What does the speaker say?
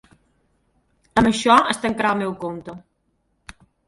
Amb això es tancarà el meu compte.